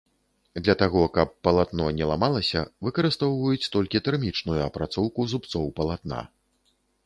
Для таго, каб палатно не ламалася, выкарыстоўваюць толькі тэрмічную апрацоўку зубцоў палатна.